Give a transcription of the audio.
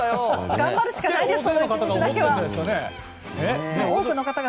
頑張るしかないですよ！